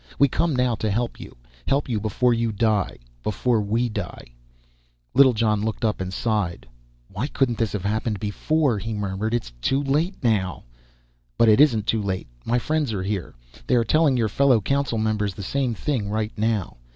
We come now to help you. Help you before you die before we die." Littlejohn looked up and sighed. "Why couldn't this have happened before?" he murmured. "It's too late now." "But it isn't too late. My friends are here. They are telling your fellow council members the same thing right now.